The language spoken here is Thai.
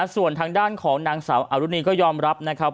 ส่วนทางด้านของนางสาวอรุณีก็ยอมรับนะครับ